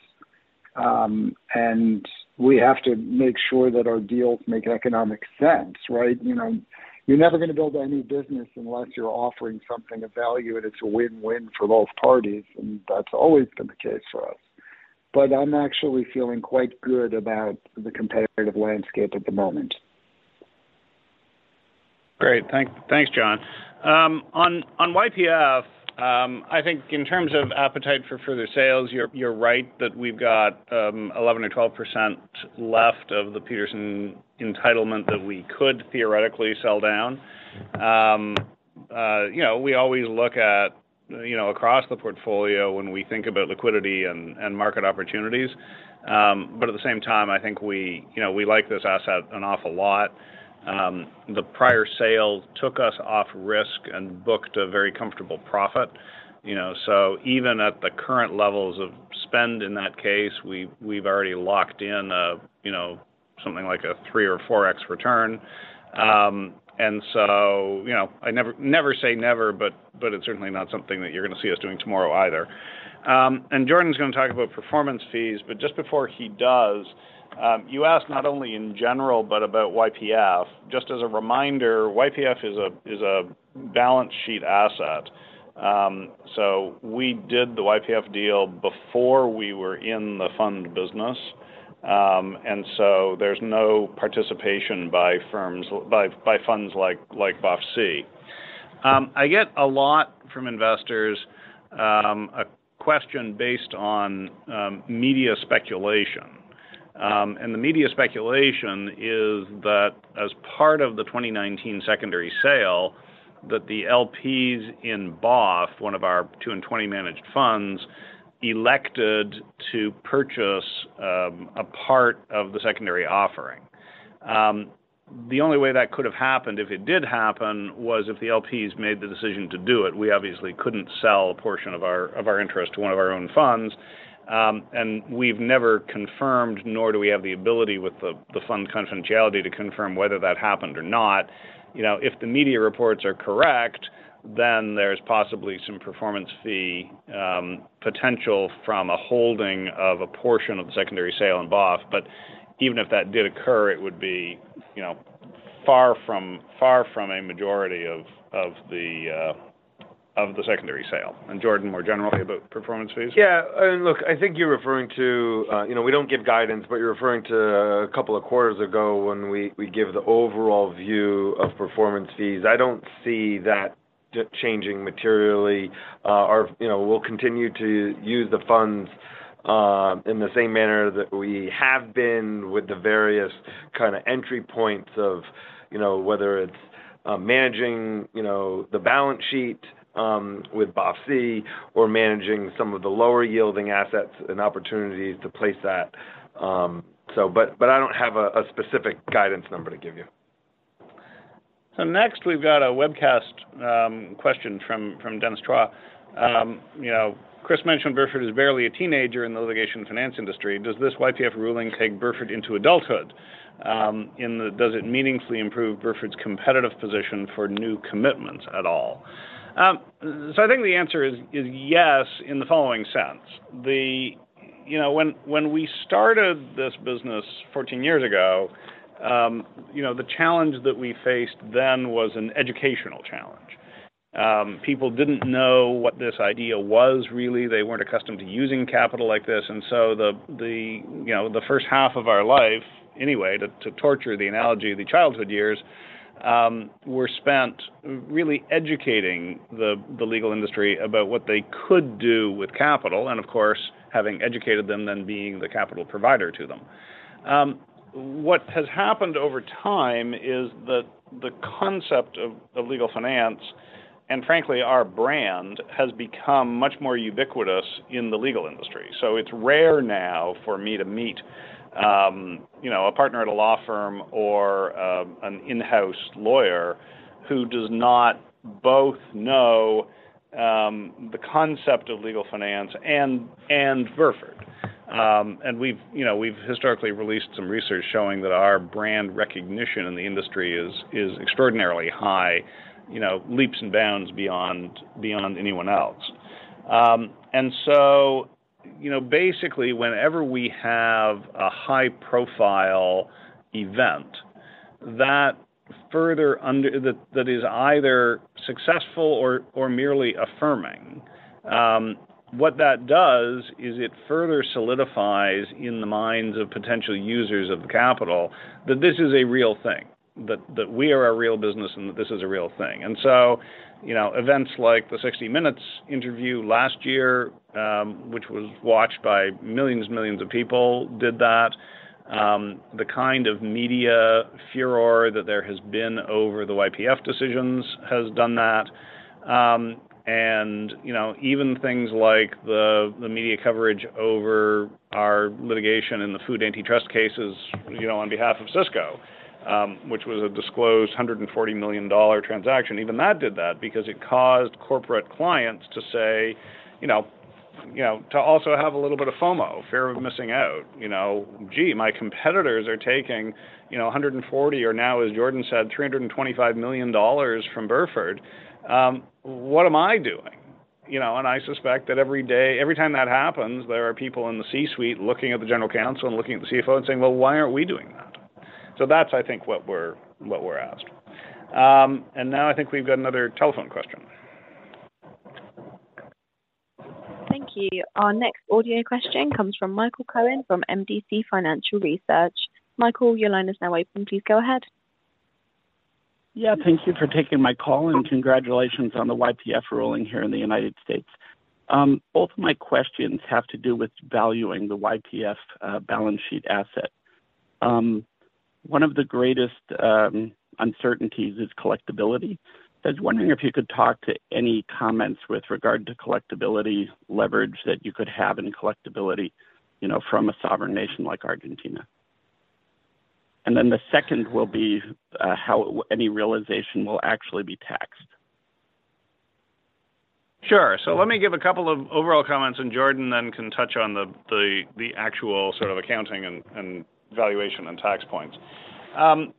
And we have to make sure that our deals make economic sense, right? You know, you're never going to build any business unless you're offering something of value, and it's a win-win for both parties, and that's always been the case for us. But I'm actually feeling quite good about the competitive landscape at the moment. Great. Thanks, Jon. On YPF, I think in terms of appetite for further sales, you're right that we've got 11%-12% left of the Petersen entitlement that we could theoretically sell down. You know, we always look at, you know, across the portfolio when we think about liquidity and market opportunities. But at the same time, I think we, you know, we like this asset an awful lot. The prior sale took us off risk and booked a very comfortable profit, you know, so even at the current levels of spend in that case, we've, we've already locked in a, you know, something like a 3x or 4x return. And so, you know, I never, never say never, but it's certainly not something that you're going to see us doing tomorrow either. And Jordan's going to talk about performance fees, but just before he does, you asked not only in general, but about YPF. Just as a reminder, YPF is a balance sheet asset. So we did the YPF deal before we were in the fund business, and so there's no participation by funds like BOF-C. I get a lot from investors, a question based on media speculation. And the media speculation is that as part of the 2019 secondary sale, that the LPs in BOF-C, one of our two and 20 managed funds, elected to purchase a part of the secondary offering. The only way that could have happened, if it did happen, was if the LPs made the decision to do it. We obviously couldn't sell a portion of our, of our interest to one of our own funds, and we've never confirmed, nor do we have the ability with the, the fund confidentiality to confirm whether that happened or not. You know, if the media reports are correct, then there's possibly some performance fee potential from a holding of a portion of the secondary sale in BOF. But even if that did occur, it would be, you know, far from, far from a majority of, of the, of the secondary sale. And Jordan, more generally about performance fees? Yeah, and look, I think you're referring to, you know, we don't give guidance, but you're referring to a couple of quarters ago when we, we gave the overall view of performance fees. I don't see that changing materially. Our. You know, we'll continue to use the funds in the same manner that we have been with the various kind of entry points of, you know, whether it's managing, you know, the balance sheet with BOF-C or managing some of the lower-yielding assets and opportunities to place that. So, but, but I don't have a specific guidance number to give you. So next, we've got a webcast question from Dennis Trah. You know, Chris mentioned Burford is barely a teenager in the litigation finance industry. Does this YPF ruling take Burford into adulthood? And does it meaningfully improve Burford's competitive position for new commitments at all? So I think the answer is yes, in the following sense: the... You know, when we started this business 14 years ago, you know, the challenge that we faced then was an educational challenge. People didn't know what this idea was really. They weren't accustomed to using capital like this, and so the you know, the first half of our life, anyway, to torture the analogy of the childhood years, were spent really educating the legal industry about what they could do with capital and, of course, having educated them, then being the capital provider to them. What has happened over time is that the concept of legal finance, and frankly, our brand, has become much more ubiquitous in the legal industry. So it's rare now for me to meet, you know, a partner at a law firm or an in-house lawyer who does not both know the concept of legal finance and Burford. And we've, you know, we've historically released some research showing that our brand recognition in the industry is, is extraordinarily high, you know, leaps and bounds beyond, beyond anyone else. And so, you know, basically, whenever we have a high-profile event that further that, that is either successful or, or merely affirming, what that does is it further solidifies in the minds of potential users of the capital that this is a real thing, that, that we are a real business and that this is a real thing. And so, you know, events like the 60 Minutes interview last year, which was watched by millions and millions of people, did that. The kind of media furore that there has been over the YPF decisions has done that. And, you know, even things like the, the media coverage over our litigation and the food antitrust cases, you know, on behalf of Sysco, which was a disclosed $140 million transaction, even that did that because it caused corporate clients to say, you know, you know, to also have a little bit of FOMO, fear of missing out. You know, "Gee, my competitors are taking, you know, a 140 or now," as Jordan said, "$325 million from Burford. What am I doing?" You know, and I suspect that every day—every time that happens, there are people in the C-suite looking at the general counsel and looking at the CFO and saying, "Well, why aren't we doing that?" So that's, I think, what we're, what we're asked. And now I think we've got another telephone question. Thank you. Our next audio question comes from Michael Cohen, from MDC Financial Research. Michael, your line is now open. Please go ahead. Yeah, thank you for taking my call, and congratulations on the YPF ruling here in the United States. Both of my questions have to do with valuing the YPF, balance sheet asset. One of the greatest uncertainties is collectibility. I was wondering if you could talk to any comments with regard to collectibility leverage that you could have in collectibility, you know, from a sovereign nation like Argentina. And then the second will be, how any realization will actually be taxed. Sure. So let me give a couple of overall comments, and Jordan then can touch on the actual sort of accounting and valuation and tax points.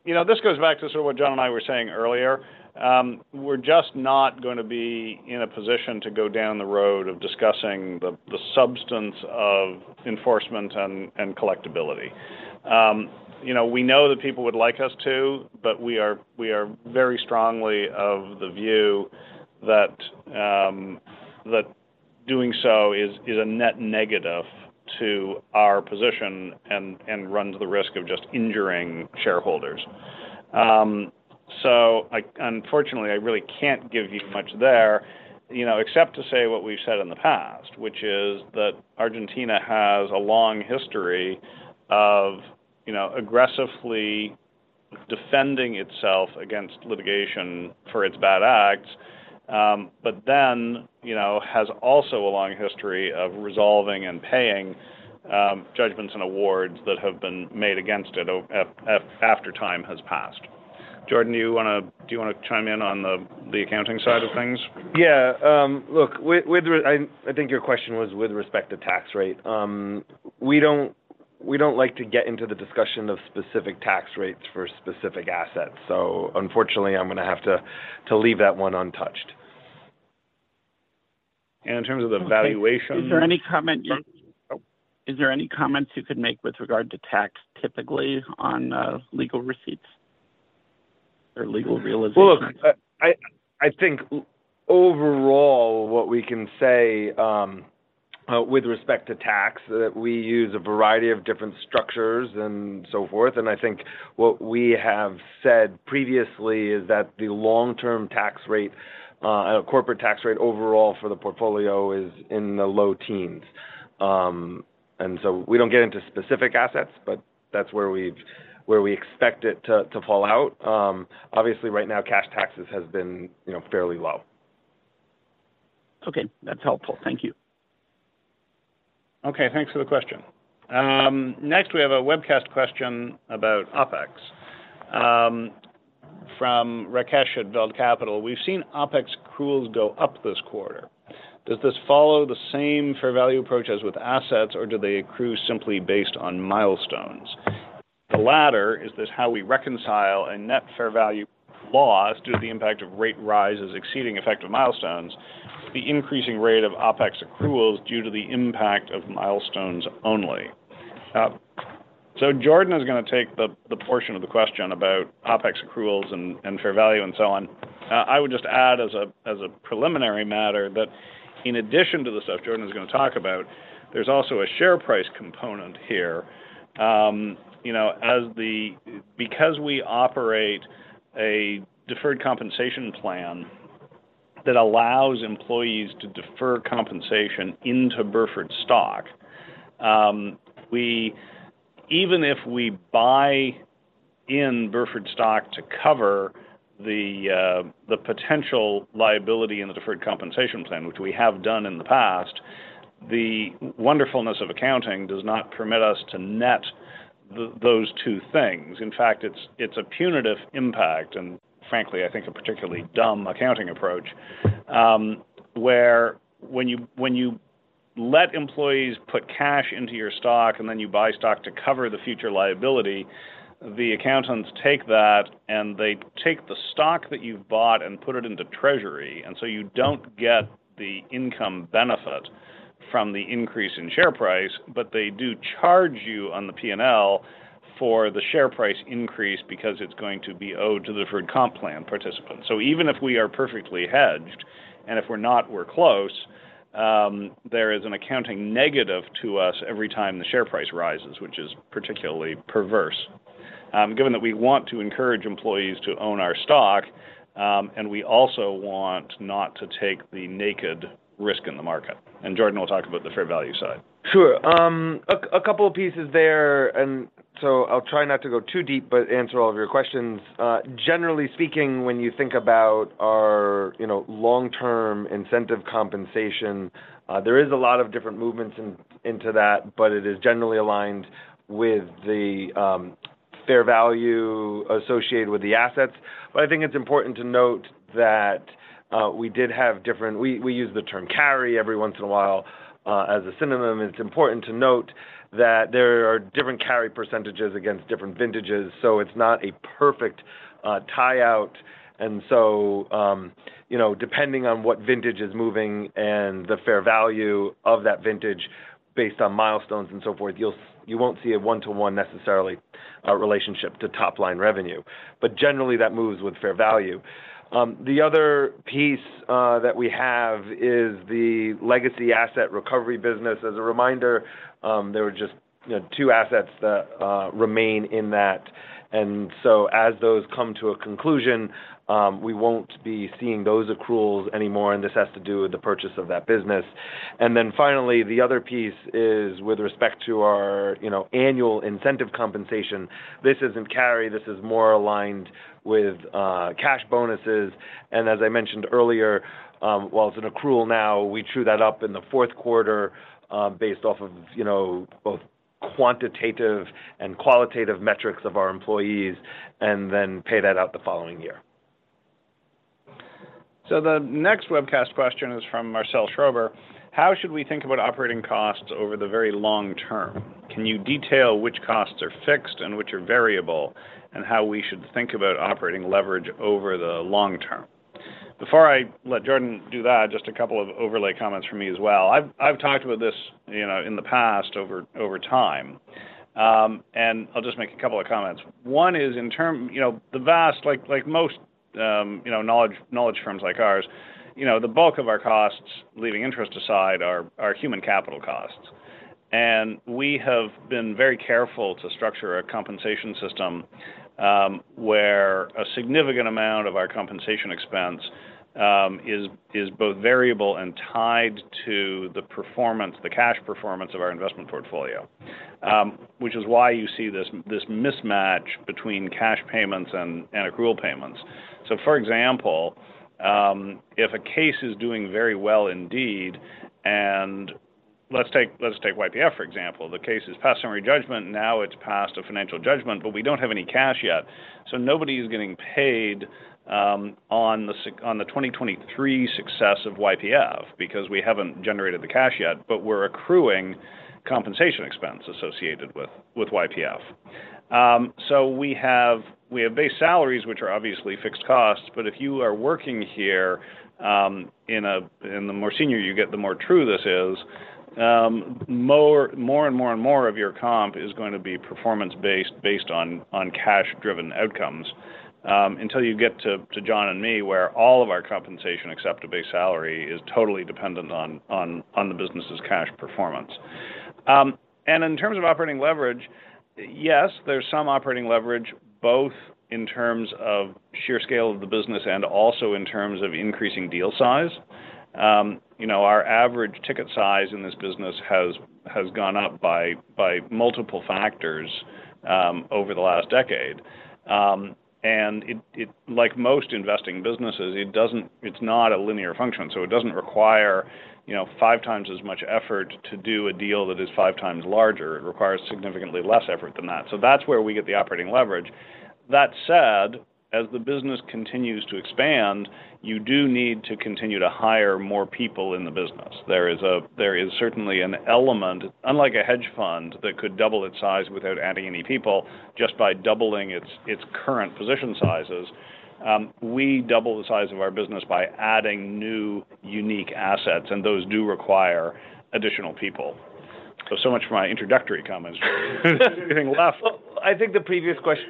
You know, this goes back to sort of what Jon and I were saying earlier. We're just not gonna be in a position to go down the road of discussing the substance of enforcement and collectibility. You know, we know that people would like us to, but we are very strongly of the view that doing so is a net negative to our position and runs the risk of just injuring shareholders. So, unfortunately, I really can't give you much there, you know, except to say what we've said in the past, which is that Argentina has a long history of, you know, aggressively defending itself against litigation for its bad acts, but then, you know, has also a long history of resolving and paying judgments and awards that have been made against it or, after time has passed. Jordan, do you wanna chime in on the accounting side of things? Yeah, look, with respect, I think your question was with respect to tax rate. We don't like to get into the discussion of specific tax rates for specific assets, so unfortunately, I'm gonna have to leave that one untouched.... And in terms of the valuation- Is there any comments you could make with regard to tax typically on legal receipts or legal realizations? Look, I think overall, what we can say with respect to tax, that we use a variety of different structures and so forth. And I think what we have said previously is that the long-term tax rate, corporate tax rate overall for the portfolio is in the low teens. And so we don't get into specific assets, but that's where we've where we expect it to fall out. Obviously, right now, cash taxes has been, you know, fairly low. Okay, that's helpful. Thank you. Okay, thanks for the question. Next, we have a webcast question about OpEx from Rakesh at Dog Capital: "We've seen OpEx accruals go up this quarter. Does this follow the same fair value approach as with assets, or do they accrue simply based on milestones? If the latter, is this how we reconcile a net fair value loss due to the impact of rate rises exceeding effective milestones, the increasing rate of OpEx accruals due to the impact of milestones only?" So Jordan is going to take the portion of the question about OpEx accruals and fair value, and so on. I would just add as a preliminary matter, that in addition to the stuff Jordan is going to talk about, there's also a share price component here. You know, because we operate a deferred compensation plan that allows employees to defer compensation into Burford stock, even if we buy in Burford stock to cover the potential liability in the deferred compensation plan, which we have done in the past, the wonderfulness of accounting does not permit us to net those two things. In fact, it's a punitive impact, and frankly, I think a particularly dumb accounting approach, where when you let employees put cash into your stock and then you buy stock to cover the future liability, the accountants take that, and they take the stock that you've bought and put it into treasury. So you don't get the income benefit from the increase in share price, but they do charge you on the P&L for the share price increase because it's going to be owed to the deferred comp plan participants. So even if we are perfectly hedged, and if we're not, we're close, there is an accounting negative to us every time the share price rises, which is particularly perverse, given that we want to encourage employees to own our stock, and we also want not to take the naked risk in the market. Jordan will talk about the fair value side. Sure. A couple of pieces there, and so I'll try not to go too deep, but answer all of your questions. Generally speaking, when you think about our, you know, long-term incentive compensation, there is a lot of different movements in, into that, but it is generally aligned with the fair value associated with the assets. But I think it's important to note that we did have different. We use the term carry every once in a while as a synonym. It's important to note that there are different carry percentages against different vintages, so it's not a perfect tie-out. And so, you know, depending on what vintage is moving and the fair value of that vintage based on milestones and so forth, you won't see a one-to-one necessarily, relationship to top-line revenue, but generally, that moves with fair value. The other piece that we have is the legacy asset recovery business. As a reminder, there are just, you know, two assets that remain in that. And so as those come to a conclusion, we won't be seeing those accruals anymore, and this has to do with the purchase of that business. And then finally, the other piece is with respect to our, you know, annual incentive compensation. This isn't carry, this is more aligned with cash bonuses, and as I mentioned earlier, while it's an accrual now, we true that up in the fourth quarter, based off of, you know, both quantitative and qualitative metrics of our employees, and then pay that out the following year. So the next webcast question is from Marcel Schober: "How should we think about operating costs over the very long term? Can you detail which costs are fixed and which are variable, and how we should think about operating leverage over the long term?" Before I let Jordan do that, just a couple of overlay comments from me as well. I've talked about this, you know, in the past, over time, and I'll just make a couple of comments. One is in term... You know, the vast—like most, you know, knowledge firms like ours, you know, the bulk of our costs, leaving interest aside, are human capital costs. And we have been very careful to structure a compensation system, where a significant amount of our compensation expense is both variable and tied to the performance, the cash performance of our investment portfolio, which is why you see this mismatch between cash payments and accrual payments. So, for example, if a case is doing very well indeed, and let's take YPF, for example. The case is past summary judgment, now it's past a financial judgment, but we don't have any cash yet, so nobody is getting paid on the 2023 success of YPF because we haven't generated the cash yet, but we're accruing compensation expense associated with YPF. So we have base salaries, which are obviously fixed costs, but if you are working here, and the more senior you get, the more true this is, more and more of your comp is going to be performance-based, based on cash-driven outcomes. Until you get to Jon and me, where all of our compensation, except a base salary, is totally dependent on the business's cash performance. And in terms of operating leverage, yes, there's some operating leverage, both in terms of sheer scale of the business and also in terms of increasing deal size. You know, our average ticket size in this business has gone up by multiple factors over the last decade. And it, like most investing businesses, it doesn't. It's not a linear function, so it doesn't require, you know, five times as much effort to do a deal that is five times larger. It requires significantly less effort than that. So that's where we get the operating leverage. That said, as the business continues to expand, you do need to continue to hire more people in the business. There is certainly an element, unlike a hedge fund, that could double its size without adding any people, just by doubling its current position sizes. We double the size of our business by adding new, unique assets, and those do require additional people. So much for my introductory comments. Anything left? I think the previous question,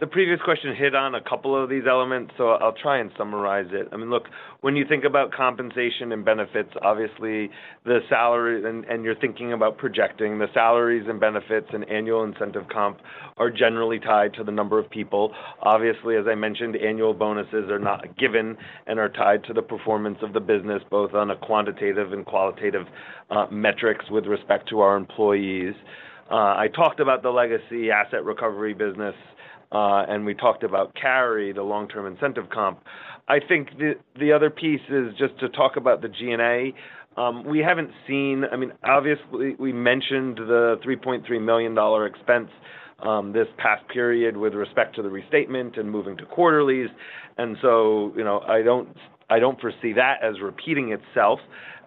the previous question hit on a couple of these elements, so I'll try and summarize it. I mean, look, when you think about compensation and benefits, obviously the salary, and, and you're thinking about projecting the salaries and benefits, and annual incentive comp are generally tied to the number of people. Obviously, as I mentioned, annual bonuses are not given and are tied to the performance of the business, both on a quantitative and qualitative metrics with respect to our employees. I talked about the legacy asset recovery business, and we talked about carry, the long-term incentive comp. I think the other piece is just to talk about the G&A. We haven't seen—I mean, obviously, we mentioned the $3.3 million expense this past period with respect to the restatement and moving to quarterlies, and so, you know, I don't, I don't foresee that as repeating itself,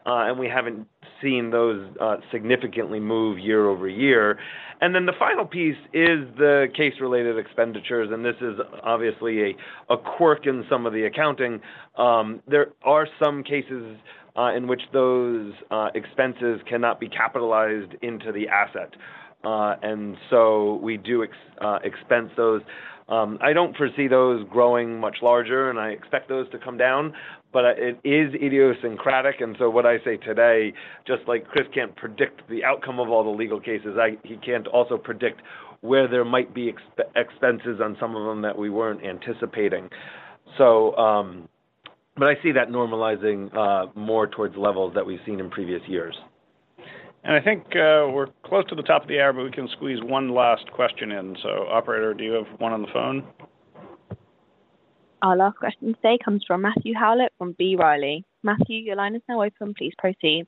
and we haven't seen those significantly move year-over-year. And then the final piece is the case-related expenditures, and this is obviously a quirk in some of the accounting. There are some cases in which those expenses cannot be capitalized into the asset, and so we do expense those. I don't foresee those growing much larger, and I expect those to come down, but it is idiosyncratic, and so what I say today, just like Chris can't predict the outcome of all the legal cases, he can't also predict where there might be expenses on some of them that we weren't anticipating. So, but I see that normalizing more towards levels that we've seen in previous years. I think, we're close to the top of the hour, but we can squeeze one last question in. Operator, do you have one on the phone? Our last question today comes from Matthew Howlett from B. Riley. Matthew, your line is now open. Please proceed.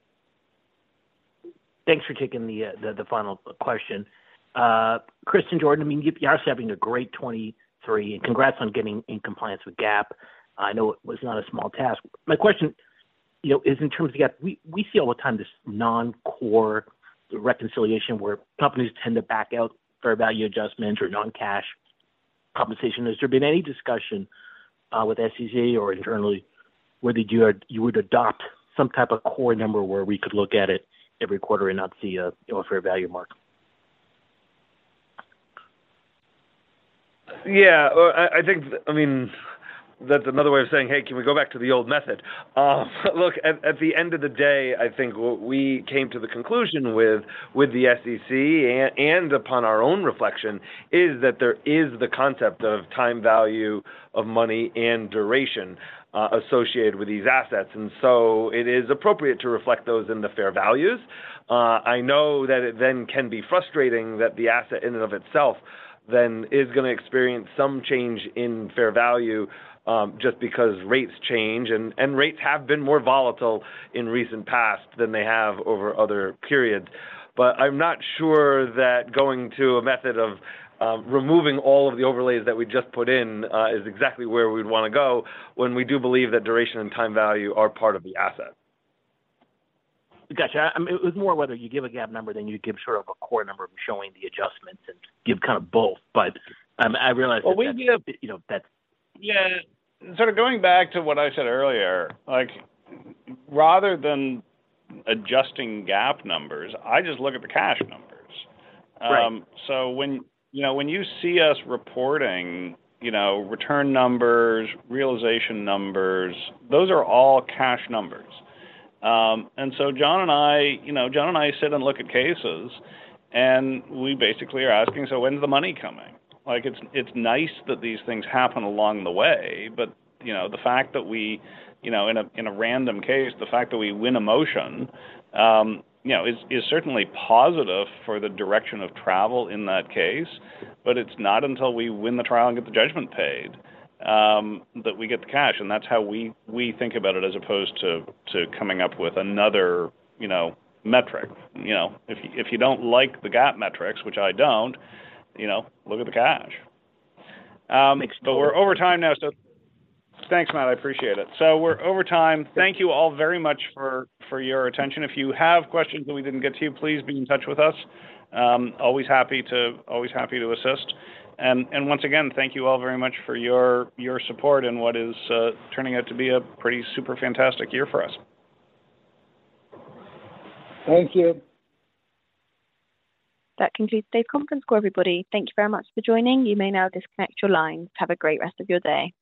Thanks for taking the final question. Chris and Jordan, I mean, you guys are having a great 2023, and congrats on getting in compliance with GAAP. I know it was not a small task. My question, you know, is in terms of GAAP, we see all the time this non-core reconciliation where companies tend to back out fair value adjustments or non-cash compensation. Has there been any discussion with SEC or internally whether you are- you would adopt some type of core number where we could look at it every quarter and not see a, you know, fair value mark? Yeah, I think, I mean, that's another way of saying, "Hey, can we go back to the old method?" Look, at the end of the day, I think what we came to the conclusion with the SEC and upon our own reflection is that there is the concept of time value of money and duration associated with these assets, and so it is appropriate to reflect those in the fair values. I know that it then can be frustrating that the asset in and of itself then is gonna experience some change in fair value just because rates change, and rates have been more volatile in recent past than they have over other periods. But I'm not sure that going to a method of removing all of the overlays that we just put in is exactly where we'd want to go when we do believe that duration and time value are part of the asset. Gotcha. I mean, it was more whether you give a GAAP number than you give sort of a core number, showing the adjustments and give kind of both, but, I realize that- Well, we give- You know, Yeah. Sort of going back to what I said earlier, like, rather than adjusting GAAP numbers, I just look at the cash numbers. Right. So when, you know, when you see us reporting, you know, return numbers, realization numbers, those are all cash numbers. And so Jon and I, you know, Jon and I sit and look at cases, and we basically are asking, "So when is the money coming?" Like, it's, it's nice that these things happen along the way, but, you know, the fact that we, you know, in a random case, the fact that we win a motion, you know, is certainly positive for the direction of travel in that case, but it's not until we win the trial and get the judgment paid, that we get the cash. And that's how we, we think about it as opposed to coming up with another, you know, metric. You know, if you don't like the GAAP metrics, which I don't, you know, look at the cash. Makes sense. But we're over time now, so thanks, Matt. I appreciate it. So we're over time. Thank you all very much for your attention. If you have questions and we didn't get to you, please be in touch with us. Always happy to assist. And once again, thank you all very much for your support in what is turning out to be a pretty super fantastic year for us. Thank you. That concludes today's conference call, everybody. Thank you very much for joining. You may now disconnect your lines. Have a great rest of your day.